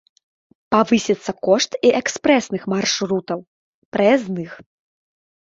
Павысіцца кошт і экспрэсных маршрутаў, праязных.